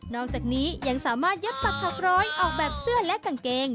อกจากนี้ยังสามารถยัดปักถักร้อยออกแบบเสื้อและกางเกง